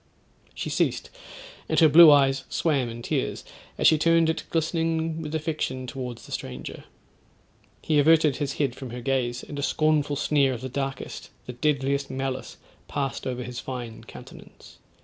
She ceased, and her blue eyes swam in tears, as she turned it glistening with affection towards the stranger. He averted his head from her gaze, and a scornful sneer of the darkest, the deadliest malice passed over his fine countenance.